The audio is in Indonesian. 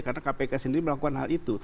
karena kpk sendiri melakukan hal itu